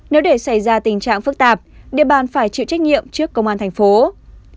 nếu để xảy ra tình trạng phức tạp địa bàn phải chịu trách nhiệm trước công an tp hcm